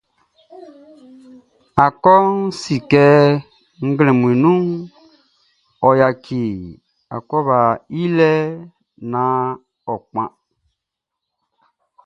Akɔʼn si kɛ nglɛmun nunʼn, sanngɛ ɔ yaci akɔbaʼn i lɛ naan ɔ kpan.